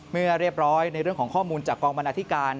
เรียบร้อยในเรื่องของข้อมูลจากกองบรรณาธิการ